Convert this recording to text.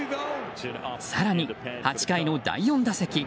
更に８回の第４打席。